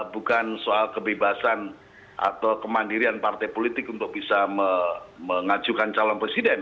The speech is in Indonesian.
bukan soal kebebasan atau kemandirian partai politik untuk bisa mengajukan calon presiden